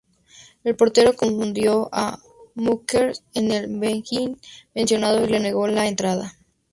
El portero confundió a Mukherjee con el "bengalí" mencionado y le negó la entrada.